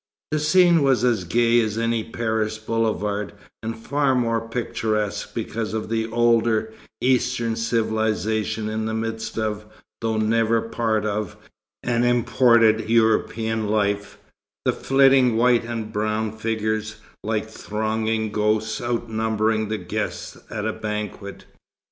The scene was as gay as any Paris boulevard, and far more picturesque because of the older, Eastern civilization in the midst of, though never part of, an imported European life the flitting white and brown figures, like thronging ghosts outnumbering the guests at a banquet.